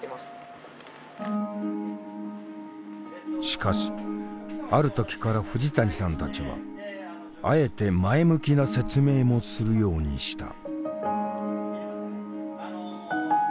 しかしある時から藤谷さんたちはあえて前向きな説明もするようにした。